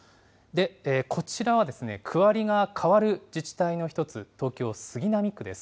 こちらは区割りが変わる自治体の一つ、東京・杉並区です。